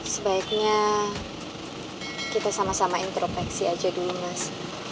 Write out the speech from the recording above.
sebaiknya kita sama sama intropeksi aja dulu mas